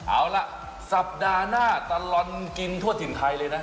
เอาล่ะสัปดาห์หน้าตลอดกินทั่วถิ่นไทยเลยนะ